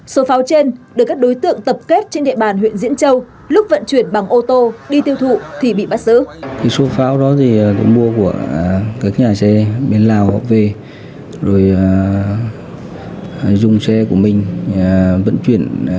số pháo trên được các đối tượng tập kết trên địa bàn huyện diễn châu lúc vận chuyển bằng ô tô đi tiêu thụ thì bị bắt giữ